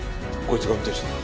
こいつが運転手だ。